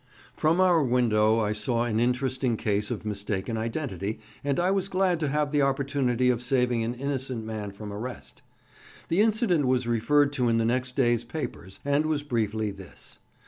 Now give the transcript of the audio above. From our window I saw an interesting case of mistaken identity, and I was glad to have the opportunity of saving an innocent man from arrest. The incident was referred to in the next day's papers, and was briefly this.